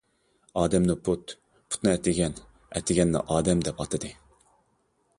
ئادەمنى «پۇت» ، پۇتنى «ئەتىگەن» ، ئەتىگەننى «ئادەم» دەپ ئاتىدى.